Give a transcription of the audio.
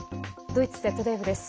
ドイツＺＤＦです。